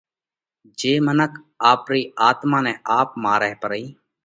جي منک آپرِي آتما نئہ آپ مارئھ پرئي۔